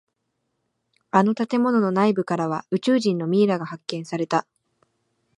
あの建物の内部からは宇宙人のミイラが発見された。